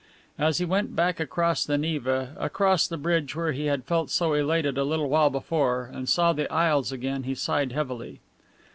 As he went back across the Neva, across the bridge where he had felt so elated a little while before, and saw the isles again he sighed heavily.